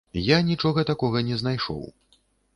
Я нічога такога не знайшоў.